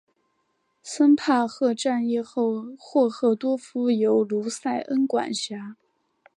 森帕赫战役后霍赫多夫由卢塞恩管辖。